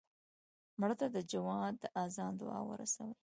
مړه ته د جومات د اذان دعا ورسوې